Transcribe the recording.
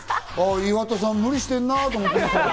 岩田さん、無理してんなぁって。